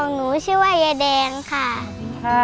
แล้วหนูก็บอกว่าไม่เป็นไรห้าว่างมาหาหนูบ้างนะคะ